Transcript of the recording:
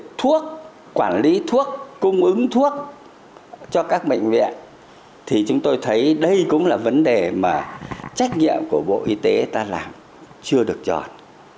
thuốc quản lý thuốc cung ứng thuốc cho các bệnh viện thì chúng tôi thấy đây cũng là vấn đề mà trách nhiệm của bộ y tế ta làm chưa được chọn